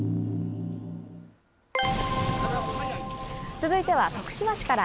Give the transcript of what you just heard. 続いては徳島市から。